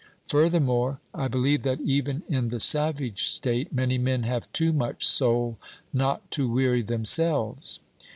Furthermore, I believe that, even in the savage state, many men have too much soul not to weary themselves.